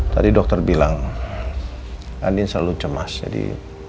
tadi dokter bilang andin selalu cemas jadi